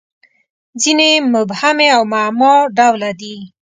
• ځینې یې مبهمې او معما ډوله دي.